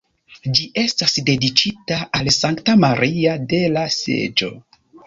Ĝi estas dediĉita al Sankta Maria de la Seĝo.